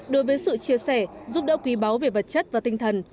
đối với sự chia sẻ giúp đỡ quý báu về vật chất và tinh thần